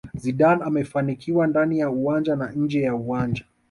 Zidane amefanikiwa ndani ya uwanjani na nje ya uwanja